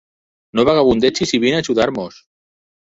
No vagabundegis i vine a ajudar-nos!